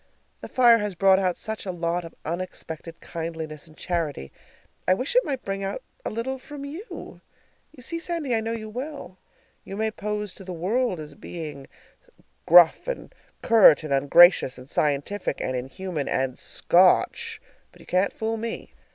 The fire has brought out such a lot of unexpected kindliness and charity, I wish it might bring out a little from you. You see, Sandy, I know you well. You may pose to the world as being gruff and curt and ungracious and scientific and inhuman and S C O T C H, but you can't fool me.